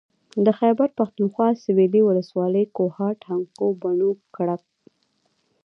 د خېبر پښتونخوا سوېلي ولسوالۍ کوهاټ هنګو بنو کرک